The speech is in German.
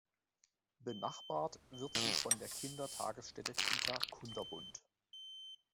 Benachbart wird sie von der Kindertagesstätte "Kita Kunterbunt".